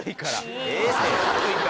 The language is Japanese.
ええって！